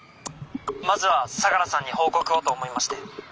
まずは相良さんに報告をと思いまして。